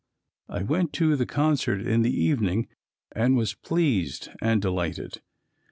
I went to the concert in the evening and was pleased and delighted.